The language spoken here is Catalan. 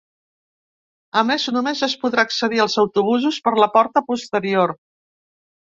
A més, només es podrà accedir als autobusos per la porta posterior.